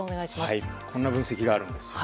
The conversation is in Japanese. こんな分析があります。